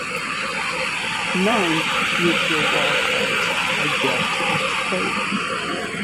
Nine Nuclear War cards are dealt to each player.